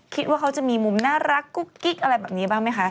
คิดว่าเขาจะมีมุมน่ารักกุ๊กกิ๊กอะไรแบบนี้บ้างไหมคะ